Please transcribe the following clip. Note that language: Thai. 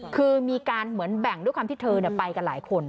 คือมีการเหมือนแบ่งด้วยความที่เธอไปกับหลายคน